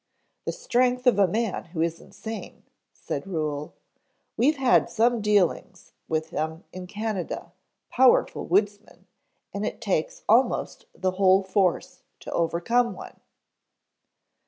"The strength of a man who is insane," said Ruhel. "We've had some dealings with them in Canada, powerful woodsmen, and it takes almost the whole force to overcome one."